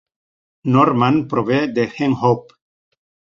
Norman prové de "Hen Hop".